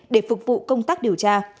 để phục vụ công tác điều tra